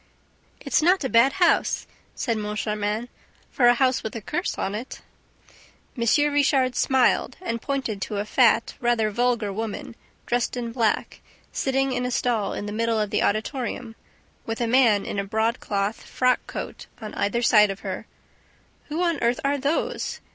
"It's not a bad house," said Moncharmin, "for 'a house with a curse on it.'" M. Richard smiled and pointed to a fat, rather vulgar woman, dressed in black, sitting in a stall in the middle of the auditorium with a man in a broadcloth frock coat on either side of her. "Who on earth are 'those?'"